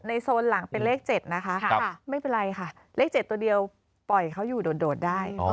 โซนหลังเป็นเลข๗นะคะไม่เป็นไรค่ะเลข๗ตัวเดียวปล่อยเขาอยู่โดดได้